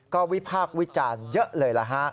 ก็วิภาควิจารณ์เยอะเลย